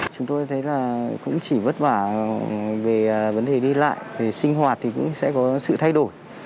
chúng tôi thấy là cũng chỉ vất vả về vấn đề đi lại về sinh hoạt thì cũng sẽ có sự thay đổi